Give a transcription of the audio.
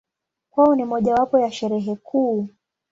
Kwao ni mojawapo ya Sherehe kuu.